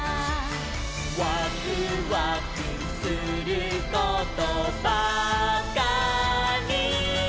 「ワクワクすることばかり」